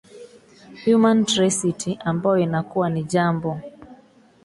human tracity ambayo inakuwa ni jambo